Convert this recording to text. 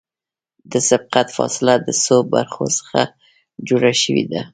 د سبقت فاصله د څو برخو څخه جوړه شوې ده